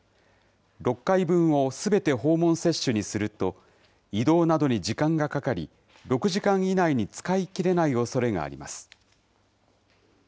６回分をすべて訪問接種にすると、移動などに時間がかかり、６時間以内に使い切れないおそれがあります。